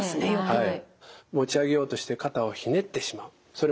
はい。